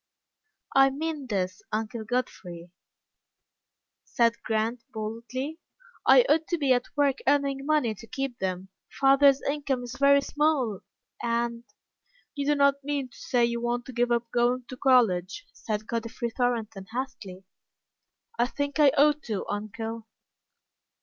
"I mean this, Uncle Godfrey," said Grant, boldly, "I ought to be at work earning money to keep them. Father's income is very small, and " "You don't mean to say you want to give up going to college?" said Godfrey Thornton, hastily. "I think I ought to, uncle."